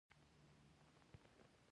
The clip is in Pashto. زموږ هېواد افغانستان غړیتوب تر لاسه کړ.